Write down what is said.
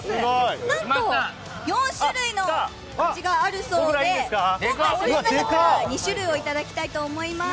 なんと４種類の味があるそうで今回、その中から２種類をいただきたいと思います。